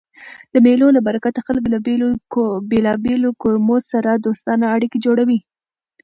د مېلو له برکته خلک له بېلابېلو قومو سره دوستانه اړیکي جوړوي.